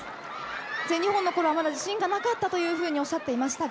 全日本のころは自信がなかったとおっしゃっていましたが